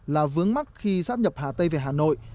là vướng mắt khi sắp nhập hà tây về hà nội